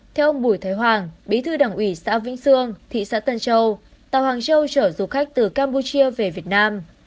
theo ông bùi thái hoàng bí thư đảng ủy xã vĩnh sương thị xã tân châu tàu hoàng châu chở du khách từ campuchia về việt nam